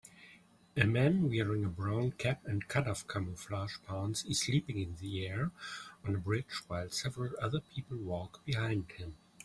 A man wearing a brown cap and cutoff camouflage pants is leaping in the air on a bridge while several other people walk behind him